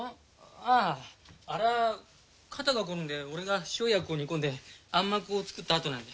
あぁあれは肩がこるんで俺が生薬を煮込んで按摩膏を作ったあとなんだ。